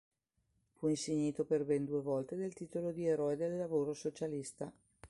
Fu insignito per ben due volte del titolo di Eroe del Lavoro Socialista.